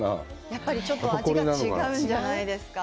やっぱり味が違うんじゃないですか。